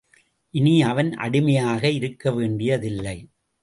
இனி அவன் அடிமையாக இருக்க வேண்டியதில்லை.